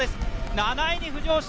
７位に浮上した。